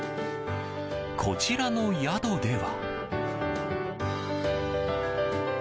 こちらの宿では。